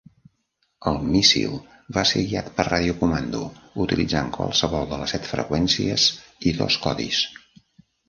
El míssil va ser guiat per radiocomando, utilitzant qualsevol de les set freqüències i dos codis.